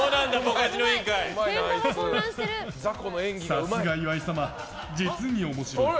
さすが岩井様、実に面白い！